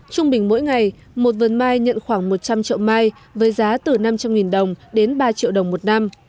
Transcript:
trung bình mỗi ngày một vườn mai nhận khoảng một trăm linh trậu mai với giá từ năm trăm linh đồng đến ba triệu đồng một năm